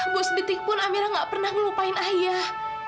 bu sebetik pun amira nggak pernah melupain ayah